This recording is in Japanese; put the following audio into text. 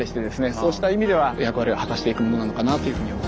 そうした意味では役割を果たしていくものなのかなっていうふうに思います。